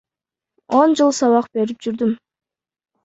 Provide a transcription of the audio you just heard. Он жыл сабак берип жүрдүм.